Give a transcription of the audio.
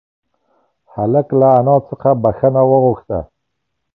هلک له انا څخه بښنه وغوښته.